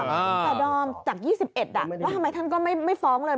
แต่ดอมจาก๒๑ว่าทำไมท่านก็ไม่ฟ้องเลย